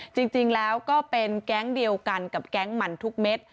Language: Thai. จริงแล้วก็เป็นแก๊งเดียวกันกับแก๊งมันทุกเม็ด